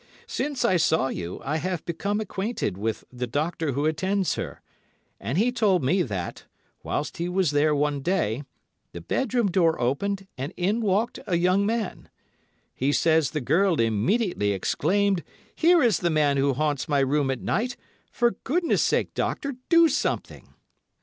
Since I saw you, I have become acquainted with the doctor who attends her, and he told me that, whilst he was there one day, the bedroom door opened and in walked a young man. He says the girl immediately exclaimed, 'Here is the man who haunts my room at night. For goodness sake, Doctor, do something!